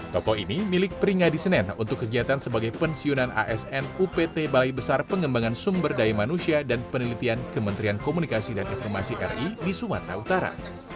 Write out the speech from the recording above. toko ini milik pringadi senen untuk kegiatan sebagai pensiunan asn upt balai besar pengembangan sumber daya manusia dan penelitian kementerian komunikasi dan informasi ri di sumatera utara